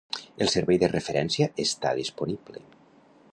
El servei de referència està disponible.